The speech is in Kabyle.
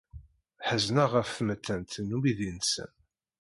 Ḥeznen ɣef tmettant n umidi-nsen.